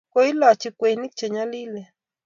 Koilachi kweinik che nyalilen